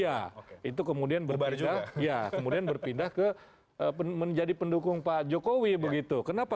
ya itu kemudian berubah juga kemudian berpindah menjadi pendukung pak jokowi begitu kenapa